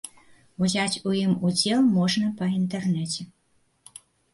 Узяць у ім удзел можна па інтэрнэце.